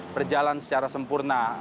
berjalan secara sempurna